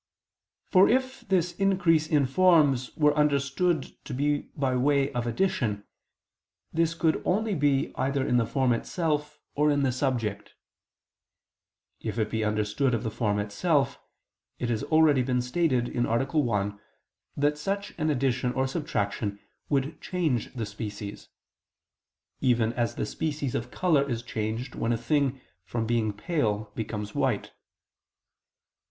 For if this increase in forms were understood to be by way of addition, this could only be either in the form itself or in the subject. If it be understood of the form itself, it has already been stated (A. 1) that such an addition or subtraction would change the species; even as the species of color is changed when a thing from being pale becomes white.